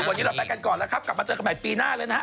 วันนี้เราไปกันก่อนแล้วครับกลับมาเจอกันใหม่ปีหน้าเลยนะฮะ